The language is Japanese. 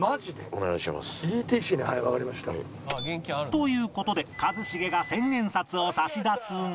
という事で一茂が千円札を差し出すが